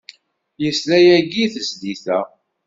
Yesla yagi i tezlit-a.